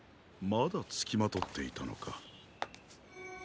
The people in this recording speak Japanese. まだつきまとっていたのか。